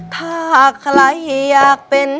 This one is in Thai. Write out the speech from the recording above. ถ้าใครอยากเป็น